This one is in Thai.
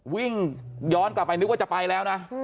วิ่งย้อนกลับไปนึกว่าจะไปแล้วนะ